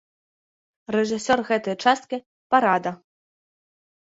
Рэжысёр гэтай часткі парада.